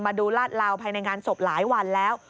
มาดูลาดลาวภายในงานศพหลายวันแล้ว